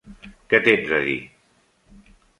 Què tens a dir?